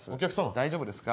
大丈夫ですか？